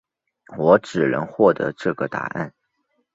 我只能获得这个答案